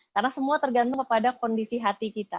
karena semua tergantung pada kondisi hati kita